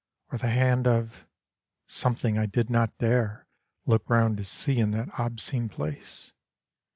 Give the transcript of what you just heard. Or the hand of something I did not dare Look round to see in that obscene place!